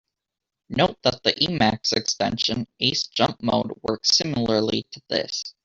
Note that the Emacs extension "Ace jump mode" works similarly to this.